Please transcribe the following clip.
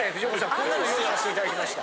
こんなの用意させて頂きました。